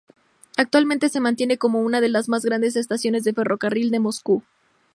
Actualmente se mantiene como una de las más grandes estaciones de ferrocarril de Moscú.